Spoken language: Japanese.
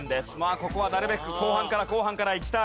ここはなるべく後半から後半からいきたい。